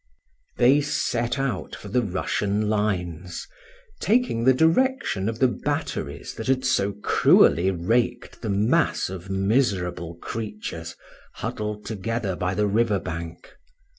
They set out for the Russian lines, taking the direction of the batteries that had so cruelly raked the mass of miserable creatures huddled together by the river bank.